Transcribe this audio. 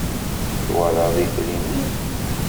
Twalaḍ itri-nni?